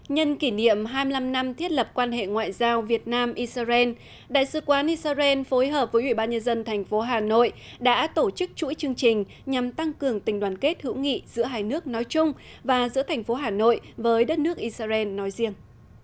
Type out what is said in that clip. nhân kỷ niệm hai mươi năm năm thiết lập quan hệ ngoại giao việt nam israel đại sứ quán israel phối hợp với ủy ban nhân dân thành phố hà nội đã tổ chức chuỗi chương trình nhằm tăng cường tình đoàn kết hữu nghị giữa hai nước nói chung và giữa thành phố hà nội với đất nước israel nói riêng